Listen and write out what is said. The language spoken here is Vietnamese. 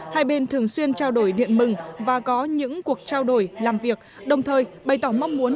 hai bên thường xuyên trao đổi điện mừng và có những cuộc trao đổi làm việc đồng thời bày tỏ mong muốn